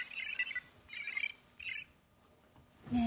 ねえ。